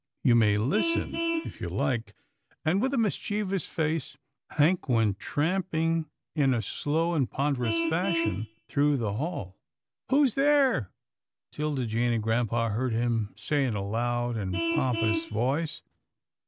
You may listen, if you like," and, with a mischievous face, Hank went tramping in a slow and ponderous fashion through the hall. "Who's there?" 'Tilda Jane and grampa heard him say in a loud and pompous voice.